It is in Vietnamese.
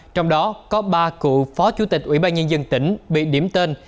trong đó có ba cựu phó chủ tịch ủy ban nhân dân tỉnh bị điểm tên